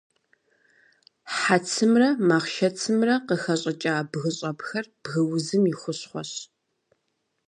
Хьэцымрэ махъшэцымрэ къыхэщӏыкӏа бгыщӏэпхэр бгыузым и хущхъуэщ.